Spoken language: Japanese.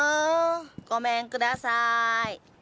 ごめんください。